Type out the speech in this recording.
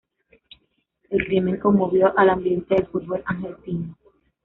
El crimen conmovió al ambiente del fútbol argentino.